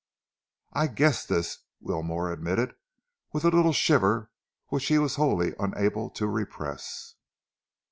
"I guessed this," Wilmore admitted, with a little shiver which he was wholly unable to repress.